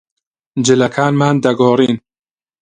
جلەکانمان دەگۆڕین.